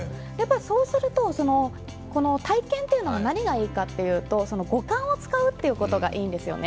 そうすると、体験というのは何がいいかというと五感を使うということがいいんですよね。